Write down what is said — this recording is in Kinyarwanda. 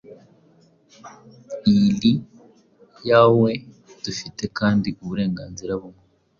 Iyi Ii yoe dufite, kandi uburenganzira bumwe